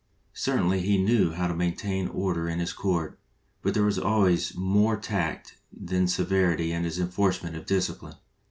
Certainly he knew how to maintain order in his court, but there was always more tact than sever ity in his enforcement of discipline.